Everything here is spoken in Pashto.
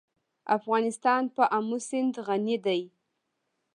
افغانستان په آمو سیند غني دی.